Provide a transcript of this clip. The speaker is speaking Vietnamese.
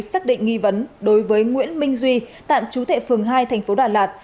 xác định nghi vấn đối với nguyễn minh duy tạm chú thệ phường hai thành phố đà lạt